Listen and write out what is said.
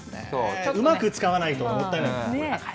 うまく使わないともったいないです。